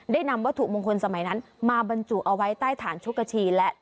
นำวัตถุมงคลสมัยนั้นมาบรรจุเอาไว้ใต้ฐานชุกชีและ